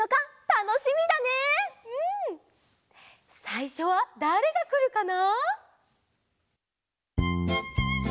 さいしょはだれがくるかな？